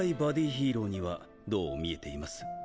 ヒーローにはどう見えています？